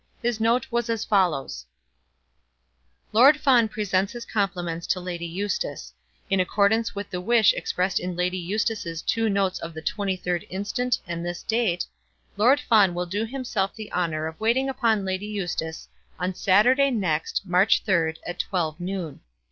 His note was as follows: Lord Fawn presents his compliments to Lady Eustace. In accordance with the wish expressed in Lady Eustace's two notes of the 23rd instant and this date, Lord Fawn will do himself the honour of waiting upon Lady Eustace on Saturday next, March 3rd, at 12, noon.